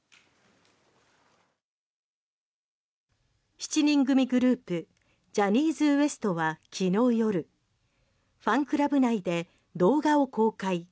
７人組グループジャニーズＷＥＳＴはきのう夜ファンクラブ内で動画を公開。